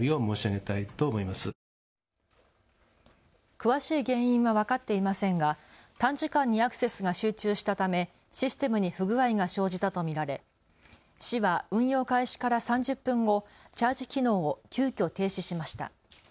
詳しい原因は分かっていませんが短時間にアクセスが集中したためシステムに不具合が生じたと見られ市は運用開始から３０分後チャージ機能を急きょ停止しました。